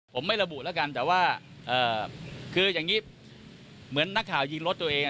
ผมไม่ระบุแล้วกันแต่ว่าคืออย่างนี้เหมือนนักข่าวยิงรถตัวเอง